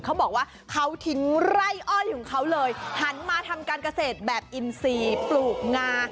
เขาบอกว่าเขาทิ้งไร่อ้อยของเขาเลยหันมาทำการเกษตรแบบอินซีปลูกงา